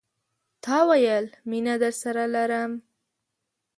تا ویل، مینه درسره لرم